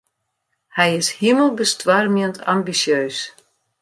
Hy is himelbestoarmjend ambisjeus.